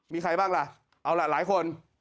มีใครบ้างล่ะเอาล่ะหลายคน